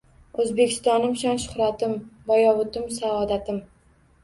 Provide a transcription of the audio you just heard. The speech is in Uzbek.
“O‘zbekistonim – shon-shuhratim, Boyovutim – saodatim!”